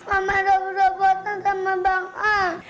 mami udah berobotan sama bang al